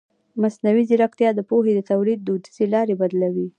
مصنوعي ځیرکتیا د پوهې د تولید دودیزې لارې بدلوي.